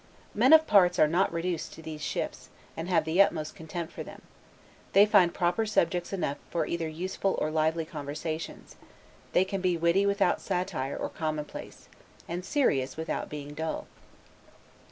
Men of parts are not reduced to these shifts, and have the utmost contempt for them, they find proper subjects enough for either useful or lively conversations; they can be witty without satire or commonplace, and serious without being dull.